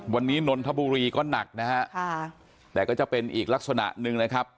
วันนี้นนทบุรีก็หนักนะฮะค่ะแต่ก็จะเป็นอีกลักษณะหนึ่งนะครับ